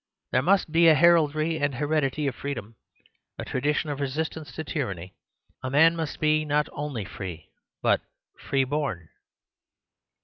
There must be a heraldry and heredity of freedom ; a tradition of resistance to tyranny. A man must be not only free, but free born.